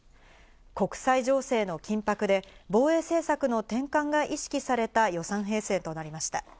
国際情勢の緊迫で防衛政策の転換が意識された予算編成となりました。